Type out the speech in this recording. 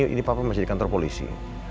ini papua masih di kantor polisi